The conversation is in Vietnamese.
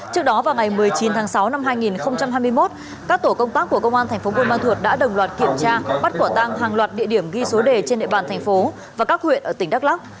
trước đó vào ngày một mươi chín tháng sáu năm hai nghìn hai mươi một các tổ công tác của công an thành phố buôn ma thuột đã đồng loạt kiểm tra bắt quả tang hàng loạt địa điểm ghi số đề trên địa bàn thành phố và các huyện ở tỉnh đắk lắc